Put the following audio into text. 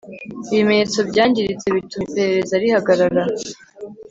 ibimenyetso byangiritse bituma iperereza rihagarara